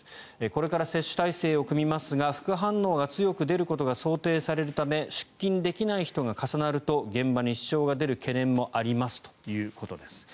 これから接種体制を組みますが副反応が強く出ることが想定されるため出勤できない人が重なると現場に支障が出る懸念もありますということです。